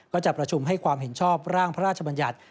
จะประชุมให้ความเห็นชอบร่างพระราชบัญญัติ